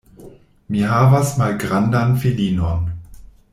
Mi havas malgrandan filinon.